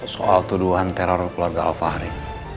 soal tuduhan teror keluarga al fahri